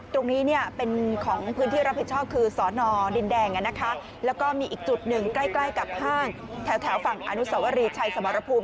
ตรงนี้เป็นของพื้นที่รับผิดชอบคือสอนอดินแดงแล้วก็มีอีกจุดหนึ่งใกล้กับห้างแถวฝั่งอนุสวรีชัยสมรภูมิ